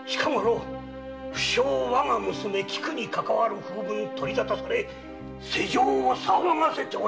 不肖我が娘・菊に関する風聞が取り沙汰され世情を騒がせておりまする。